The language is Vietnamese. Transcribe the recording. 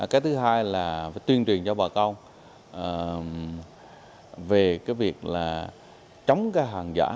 cái thứ hai là phải tuyên truyền cho bà con về cái việc là chống cái hàng giả